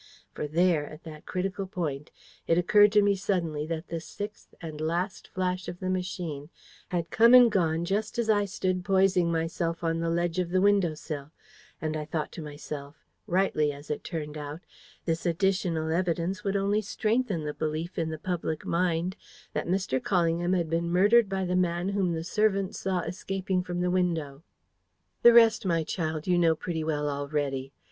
For there, at that critical point, it occurred to me suddenly that the sixth and last flash of the machine had come and gone just as I stood poising myself on the ledge of the window sill; and I thought to myself rightly as it turned out this additional evidence would only strengthen the belief in the public mind that Mr. Callingham had been murdered by the man whom the servants saw escaping from the window. "The rest, my child, you know pretty well already.